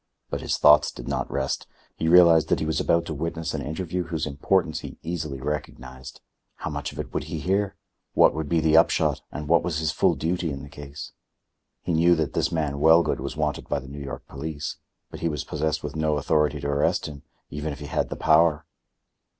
But his thoughts did not rest. He realized that he was about to witness an interview whose importance he easily recognized. How much of it would he hear? What would be the upshot and what was his full duty in the case? He knew that this man Wellgood was wanted by the New York police, but he was possessed with no authority to arrest him, even if he had the power.